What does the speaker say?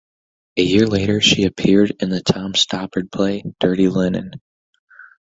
A year later she appeared in the Tom Stoppard play, "Dirty Linen".